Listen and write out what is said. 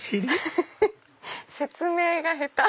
説明が下手！